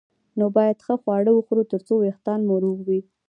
نو باید ښه خواړه وخورو ترڅو وېښتان مو روغ وي